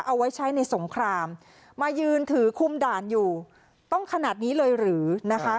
เอาไว้ใช้ในสงครามมายืนถือคุมด่านอยู่ต้องขนาดนี้เลยหรือนะคะ